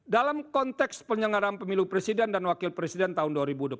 dalam konteks penyelenggaraan pemilu presiden dan wakil presiden tahun dua ribu dua puluh